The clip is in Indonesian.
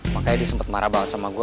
makanya dia sempat marah banget sama gue